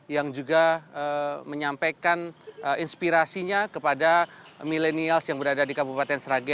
yang juga menyampaikan inspirasinya kepada milenials yang berada di kabupaten sragen